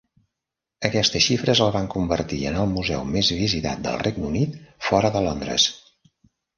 Aquestes xifres el van convertir en el museu més visitat del Regne Unit fora de Londres.